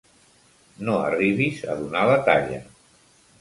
No arribis a donar la talla.